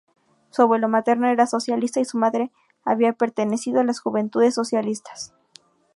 Su abuelo materno era socialista y su madre había pertenecido a las Juventudes Socialistas.